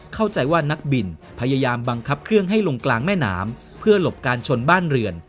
เข้าใจว่านักบินพยายามบังคับเครื่องให้ลงกลางแม่น้ำเพื่อหลบการชนบ้านเรือน